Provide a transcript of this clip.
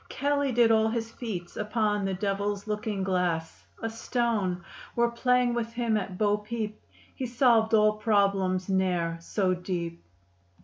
Kelley did all his feats upon The devil's looking glass, a stone Where, playing with him at bo peep He solved all problems ne'er so deep.